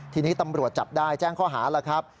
ทีนี้ตำรวจจับได้แจ้งข้อหาแล้วครับ